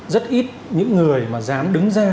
rất ít những người mà dám đứng ra